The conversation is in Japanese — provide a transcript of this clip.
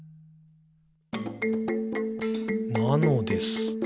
「なのです。」